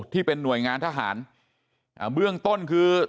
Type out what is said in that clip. ที่เป็นหน่วยงานทหารอ่าเบื้องต้นคือ